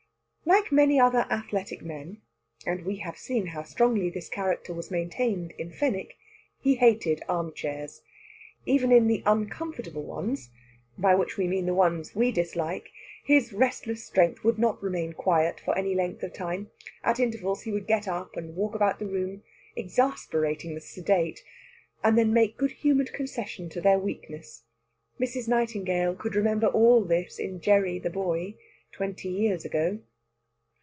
Like many other athletic men and we have seen how strongly this character was maintained in Fenwick he hated armchairs. Even in the uncomfortable ones by which we mean the ones we dislike his restless strength would not remain quiet for any length of time. At intervals he would get up and walk about the room, exasperating the sedate, and then making good humoured concession to their weakness. Mrs. Nightingale could remember all this in Gerry the boy, twenty years ago.